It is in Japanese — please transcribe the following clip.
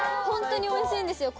本当においしい！